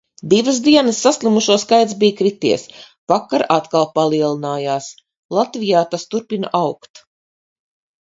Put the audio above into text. Divas dienas saslimušo skaits bija krities. Vakar atkal palielinājās. Latvijā tas turpina augt.